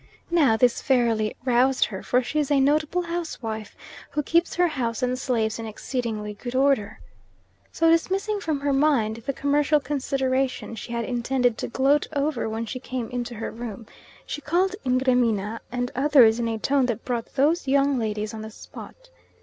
Now this fairly roused her, for she is a notable housewife, who keeps her house and slaves in exceedingly good order. So dismissing from her mind the commercial consideration she had intended to gloat over when she came into her room, she called Ingremina and others in a tone that brought those young ladies on the spot.